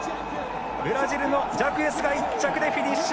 ブラジルのジャクエスが１着でフィニッシュ！